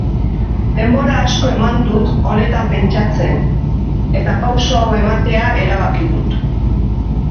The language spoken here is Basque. Denbora asko eman dut honetan pentsatzen, eta pauso hau ematea erabaki dut.